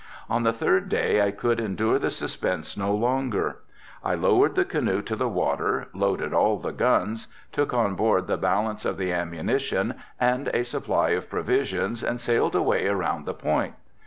On the third day I could endure the suspense no longer, I lowered the canoe to the water, loaded all the guns, took on board the balance of the ammunition and a supply of provisions and sailed away around the point.